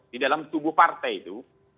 di dalam tubuh partai itu